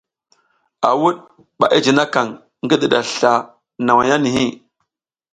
A wuɗ ɓa i jinikaƞ ngi ɗiɗa sla nawaya nihi.